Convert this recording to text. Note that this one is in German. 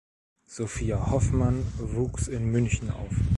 Sophia Hoffmann wuchs in München auf.